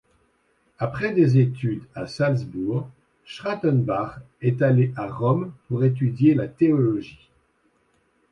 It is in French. Après des études à Salzbourg, Schrattenbach est allé à Rome pour étudier la théologie.